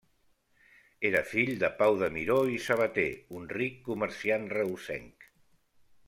Era fill de Pau de Miró i Sabater, un ric comerciant reusenc.